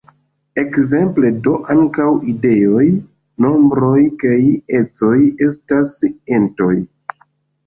Ekzemple do, ankaŭ ideoj, nombroj kaj ecoj estas entoj.